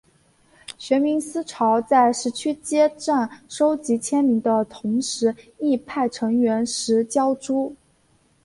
学民思潮在十区街站收集签名的同时亦派成员拾胶珠。